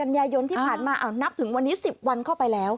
กันยายนที่ผ่านมานับถึงวันนี้๑๐วันเข้าไปแล้ว